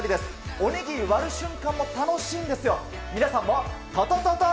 おにぎり割る瞬間も楽しいんですよ。